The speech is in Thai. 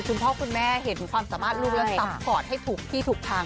คุณพ่อคุณแม่เห็นความสามารถลูกและซัพพอร์ตให้ถูกที่ถูกทาง